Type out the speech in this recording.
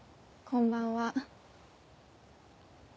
こんばんは。